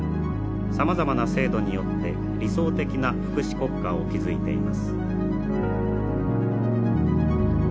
さまざまな制度によって理想的な福祉国家を築いています。